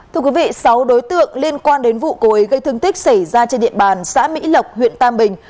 thưa quý vị sáu đối tượng liên quan đến vụ cố ý gây thương tích xảy ra trên địa bàn xã mỹ lộc huyện tam bình